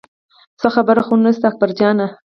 څه خبره خو نه شته اکبر جانه.